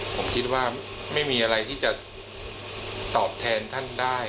ผมคิดว่าไม่มีอะไรที่จะตอบแทนท่านได้